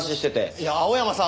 いや青山さんは。